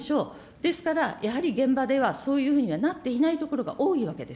ですから、やはり現場ではそういうふうにはなっていないところが多いわけです。